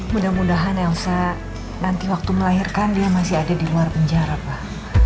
mudah mudahan elsa nanti waktu melahirkan dia masih ada di luar penjara pak